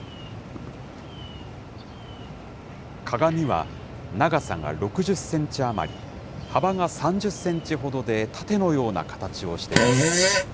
鏡は、長さが６０センチ余り、幅が３０センチほどで、盾のような形をしています。